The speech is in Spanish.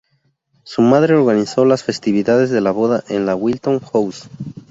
Su madre organizó las festividades de la boda en la Wilton House.